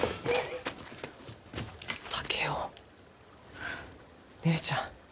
竹雄姉ちゃん。